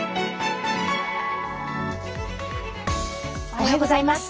おはようございます。